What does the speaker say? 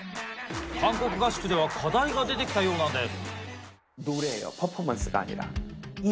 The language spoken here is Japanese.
韓国合宿では課題が出てきたようなんです。